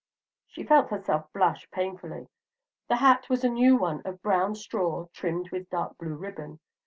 She felt herself blush painfully. The hat was a new one of brown straw trimmed with dark blue ribbon.